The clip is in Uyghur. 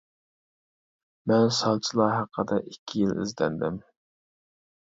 مەن سالچىلار ھەققىدە ئىككى يىل ئىزدەندىم.